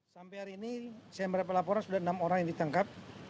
sampai hari ini saya mendapat laporan sudah enam orang yang ditangkap